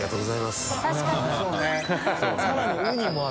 さらにウニもある。